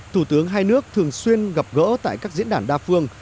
thủ tướng hai nước thường xuyên gặp gỡ tại các diễn đàn đa phương